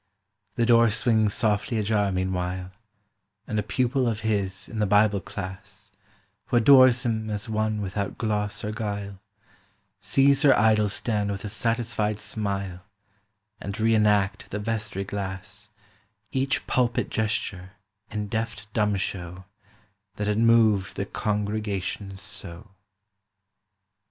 The door swings softly ajar meanwhile, And a pupil of his in the Bible class, Who adores him as one without gloss or guile, Sees her idol stand with a satisfied smile And re enact at the vestry glass Each pulpit gesture in deft dumb show That had moved the congregation so.